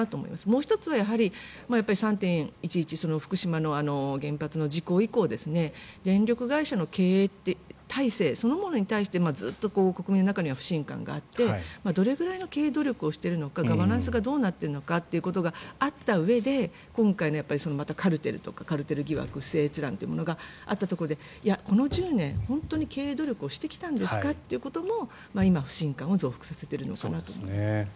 もう１つは、やはり３・１１福島の原発の事故以降電力会社の経営体制そのものに対してずっと国民の中には不信感があってどれくらいの経営努力をしているのかガバナンスがどうなってるのかってことがあったうえで今回のまたカルテル疑惑不正閲覧があってこの１０年、本当に経営努力をしてきたんですか？ということも今、不信感を増幅させているのかなと。